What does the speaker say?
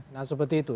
nah seperti itu